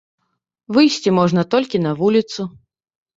Выйсці можна толькі на вуліцу.